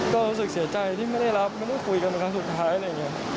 ก็รู้สึกเสียใจที่ไม่ได้รับไม่ได้คุยกันเป็นครั้งสุดท้ายอะไรอย่างนี้